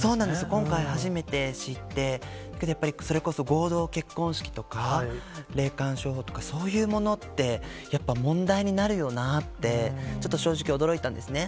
今回初めて知って、やっぱりそれこそ合同結婚式とか、霊感商法とか、そういうものって、やっぱ問題になるよなってちょっと正直、驚いたんですね。